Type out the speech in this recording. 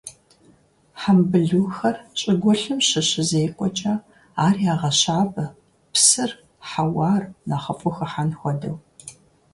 Хьэмбылухэр щӀыгулъым щыщызекӀуэкӀэ, ар ягъэщабэ, псыр, хьэуар нэхъыфӀу хыхьэн хуэдэу.